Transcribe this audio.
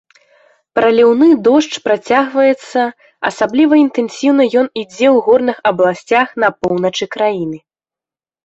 Праліўны дождж працягваецца, асабліва інтэнсіўна ён ідзе ў горных абласцях на поўначы краіны.